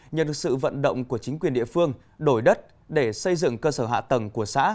nhờ được sự vận động của chính quyền địa phương đổi đất để xây dựng cơ sở hạ tầng của xã